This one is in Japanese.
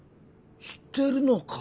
知ってるのか？